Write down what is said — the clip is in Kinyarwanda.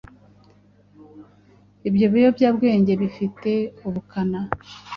ibyo biyobyabwenge bifite ubukana